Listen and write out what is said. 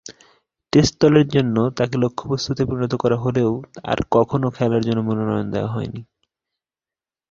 Test দলের জন্য তাকে লক্ষ্যবস্তুতে পরিণত করা হলেও আর কখনো খেলার জন্য মনোনয়ন দেয়া হয়নি।